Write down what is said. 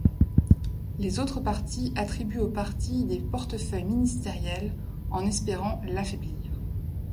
Les autres partis attribuent au parti des portefeuilles ministériels en espérant l'affaiblir.